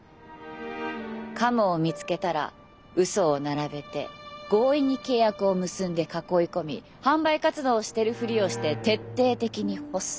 カモを見つけたら嘘を並べて強引に契約を結んで囲い込み販売活動をしてるふりをして徹底的に干す。